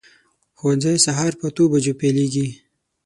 ښوونځی سهار په اتو بجو پیلېږي.